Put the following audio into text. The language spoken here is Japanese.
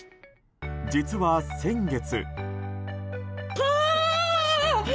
実は先月。